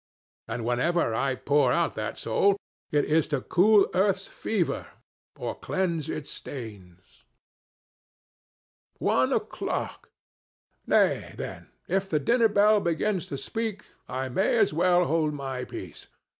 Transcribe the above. And whenever I pour out that soul, it is to cool earth's fever or cleanse its stains. One o'clock! Nay, then, if the dinner bell begins to speak, I may as well hold my peace.